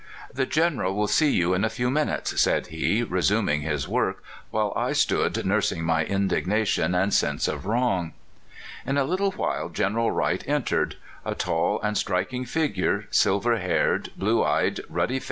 "The General will see you in a few minutes," said he, resuming his work, while I stood nursing my indignation and sense of wrong. In a little while General Wright entered a tall and striking figure, silver haired, blue eyed, ruddy 16 242 CALIFORNIA SKETCHES.